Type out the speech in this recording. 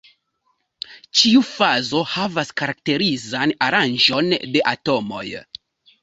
Ĉiu fazo havas karakterizan aranĝon de atomoj.